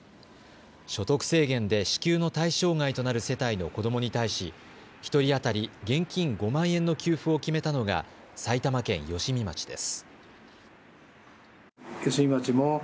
所得制限で支給の対象外となる世帯の子どもに対し１人当たり現金５万円の寄付を決めたのが埼玉県吉見町です。